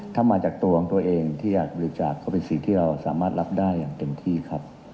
ถ้ามาจากตัวของตัวเองที่อยากบริจาคก็เป็นสิ่งที่เราสามารถรับได้อย่างเต็มที่ครับ